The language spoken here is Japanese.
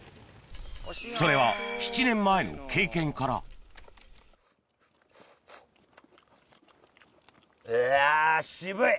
それは７年前の経験からうあ渋い！